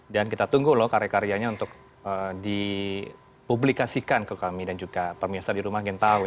dan kita tunggu loh karya karyanya untuk di publikasikan ke kami dan juga permiasa di rumah gentawe